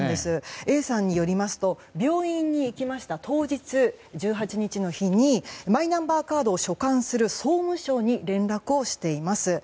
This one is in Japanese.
Ａさんによりますと病院に行きました当日１８日にマイナンバーカードを所管する総務省に連絡をしています。